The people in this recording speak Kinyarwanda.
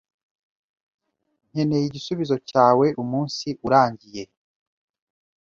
Nkeneye igisubizo cyawe umunsi urangiye.